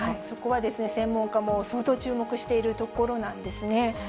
そこは専門家も相当注目しているところなんですね。